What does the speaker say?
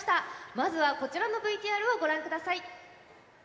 まずはこちらのＶＴＲをご覧ください。